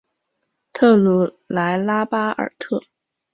特鲁莱拉巴尔特。